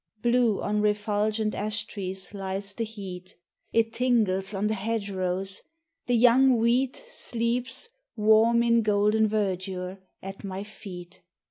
Blue on refulgent ash trees lies the heat ; It tingles on the hedge rows ; the young wheat Sleeps, warm in golden verdure, at my feet.